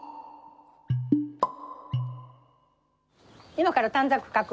今から短冊書く？